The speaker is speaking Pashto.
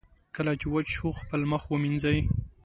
کله چې وچ شو، خپل مخ ومینځئ.